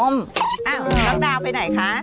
นั่งเลยค่ะ